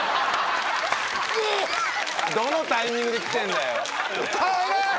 どのタイミングできてんだよ。